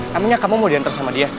kamu nya kamu mau diantar sama dia